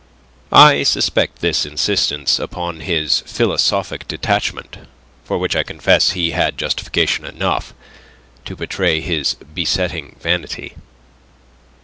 I suspect this insistence upon his philosophic detachment for which I confess he had justification enough to betray his besetting vanity.